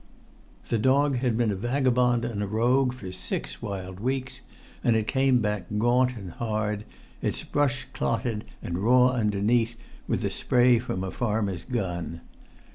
The dog had been a vagabond and a rogue for six wild weeks, and it came back gaunt and hard, its brush clotted and raw underneath with the spray from a farmer's gun.